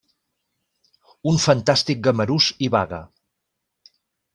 Un fantàstic gamarús hi vaga.